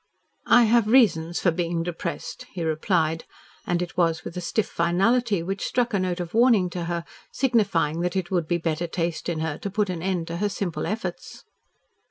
"I have reasons for being depressed," he replied, and it was with a stiff finality which struck a note of warning to her, signifying that it would be better taste in her to put an end to her simple efforts.